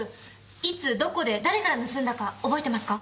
いつどこで誰から盗んだか覚えてますか？